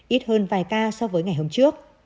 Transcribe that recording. ít hơn vài ca so với ngày hôm trước